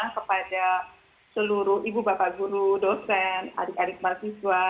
kepada seluruh ibu bapak guru dosen adik adik mahasiswa